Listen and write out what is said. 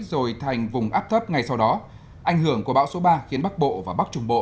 rồi thành vùng áp thấp ngay sau đó ảnh hưởng của bão số ba khiến bắc bộ và bắc trung bộ